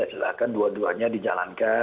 silahkan dua duanya dijalankan